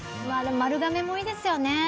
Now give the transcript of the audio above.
まあでも丸亀もいいですよね。